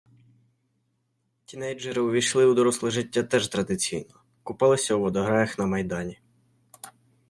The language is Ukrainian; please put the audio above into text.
Тінейджери увійшли у доросле життя теж традиційно - купалися у водограях на Майдані.